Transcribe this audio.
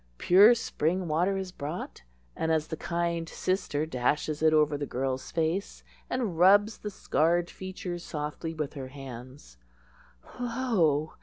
Pure spring water is brought, and as the kind sister dashes it over the girl's face, and rubs the scarred features softly with her hands, lo!